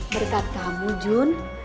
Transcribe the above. berkat kamu jun